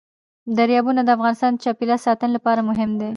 دریابونه د افغانستان د چاپیریال ساتنې لپاره مهم دي.